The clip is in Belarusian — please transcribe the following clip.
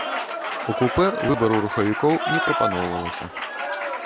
У купэ выбару рухавікоў не прапаноўвалася.